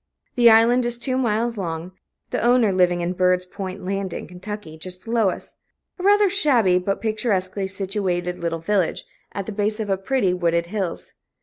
The island is two miles long, the owner living in Bird's Point Landing, Ky., just below us a rather shabby but picturesquely situated little village, at the base of pretty, wooded hills.